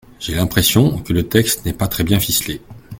J’ai l’impression que le texte n’est pas très bien ficelé.